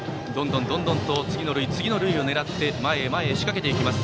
どんどん次の塁、次の塁を狙って前へ前へ仕掛けていきます。